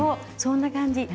そんな感じ。